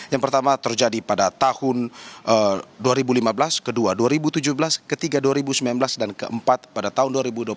yang pertama terjadi pada tahun dua ribu lima belas kedua dua ribu tujuh belas ketiga dua ribu sembilan belas dan keempat pada tahun dua ribu dua puluh satu